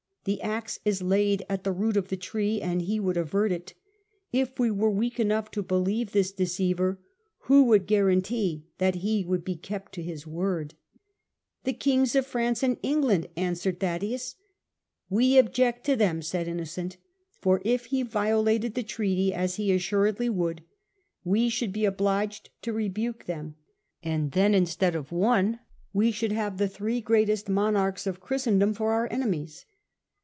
The axe is laid at the root of the tree and he would avert it. If we were weak enough to believe this deceiver, who would guar antee that he should be made to keep his word ?"" The Kings of France and England," answered Thaddaeus. " We object to them," said Innocent, " for if he violated the treaty, as he assuredly would, we should be obliged to rebuke them ; and then, instead of one, we should have the three greatest monarchs of Christendom for our enemies."